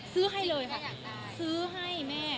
ซื้อให้เลยค่ะซื้อให้แม่